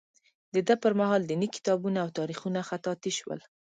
د ده پر مهال دیني کتابونه او تاریخونه خطاطي شول.